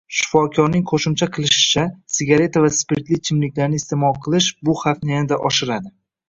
Shifokorning qoʻshimcha qilishicha, sigareta va spirtli ichimliklarni isteʼmol qilish bu xavfni yanada oshiradi.